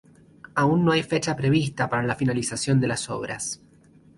Aún no hay fecha prevista para la finalización de las obras.